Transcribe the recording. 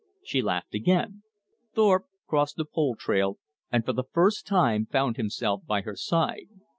She laughed again. Thorpe crossed the pole trail, and for the first time found himself by her side.